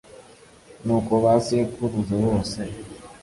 Nuko ba sekuruza bose,